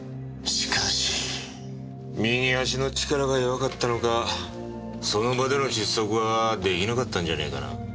しかし右足の力が弱かったのかその場での窒息は出来なかったんじゃねえかな。